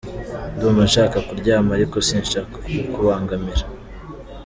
Ndumva nshaka kuryama ariko sinshaka kukubangamira.